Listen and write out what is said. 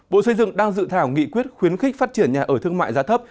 bộ xây dựng đang dự thảo nghị quyết khuyến khích phát triển nhà ở thương mại giá thấp